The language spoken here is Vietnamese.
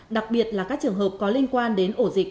đặc biệt là các trường hợp có liên quan đến ổ dịch